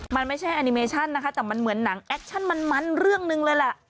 มันไม่ใช่แอนิเมชั่นนะคะแต่มันเหมือนหนังแอคชั่นมันเรื่องหนึ่งเลยแหละ